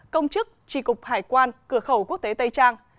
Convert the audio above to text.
công chức tri cục hải quan cửa khẩu quốc tế tây trang